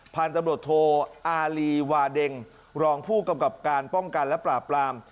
พันธุ์ตำรวจโทอารีวาเด็งรองผู้กำกับการป้องกันและปราบปราม